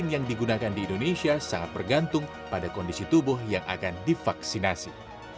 yang digunakan di indonesia sangat bergantung pada kondisi tubuh yang akan divaksinasi